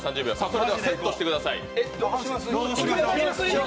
それではセットしてください。